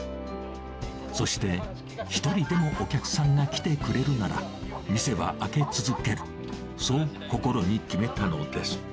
そして、１人でもお客さんが来てくれるなら、店は開け続ける、そう心に決めたのです。